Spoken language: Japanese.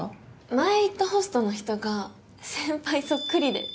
前行ったホストの人が先輩そっくりで。